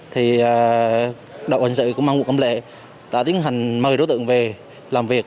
thì đội cảnh sát hình sự công an quận cầm lệ đã tiến hành mời đối tượng về làm việc